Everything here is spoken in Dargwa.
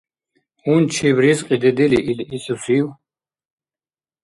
— Гьунчиб, ризкьи дедили, ил исусив?